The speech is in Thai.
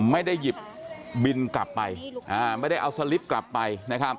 ไม่ได้หยิบบินกลับไปไม่ได้เอาสลิปกลับไปนะครับ